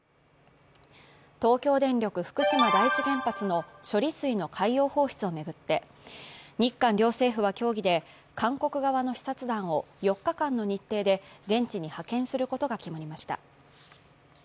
東京電力福島第一原発の処理水の海洋放出を巡って、日韓両政府は協議で韓国側の視察団を４日間の日程で現地に派遣することが決まりました。